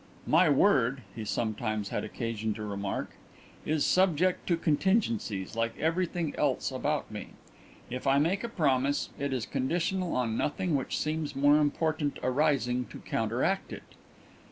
"My word," he sometimes had occasion to remark, "is subject to contingencies, like everything else about me. If I make a promise it is conditional on nothing which seems more important arising to counteract it.